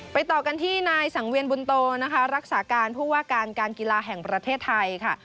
ต่อกันที่นายสังเวียนบุญโตนะคะรักษาการผู้ว่าการการกีฬาแห่งประเทศไทยค่ะ